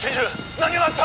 何があった？